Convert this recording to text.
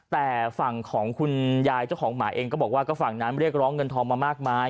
แต่ฝั่งของคุณยายเจ้าของหมาเองก็บอกว่าก็ฝั่งนั้นเรียกร้องเงินทองมามากมาย